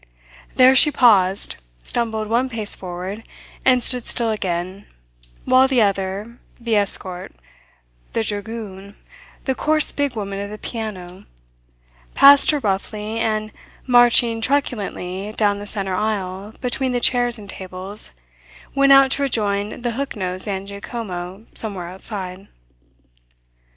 There she paused, stumbled one pace forward, and stood still again, while the other the escort, the dragoon, the coarse big woman of the piano passed her roughly, and, marching truculently down the centre aisle between the chairs and tables, went out to rejoin the hook nosed Zangiacomo somewhere outside.